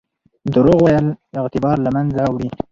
درواغ ویل اعتبار له منځه وړي.